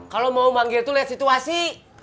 kalau mau manggil tuh liat situasi